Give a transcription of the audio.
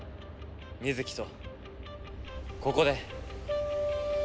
水城とここで。